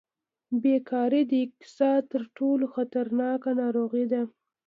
بېکاري د اقتصاد تر ټولو خطرناکه ناروغي ده.